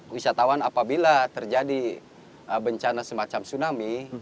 wisatawan apabila terjadi bencana semacam tsunami